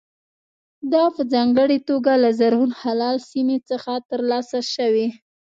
دا په ځانګړې توګه له زرغون هلال سیمې څخه ترلاسه شوي.